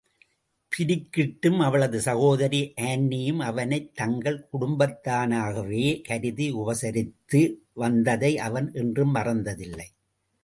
பிரிகிட்டும் அவளது சகோதரி ஆன்னியும் அவனைத் தங்கள் குடும்பத்தானாகவே கருதி உபசரித்து வந்ததை அவன் என்றும் மறந்ததில்லை.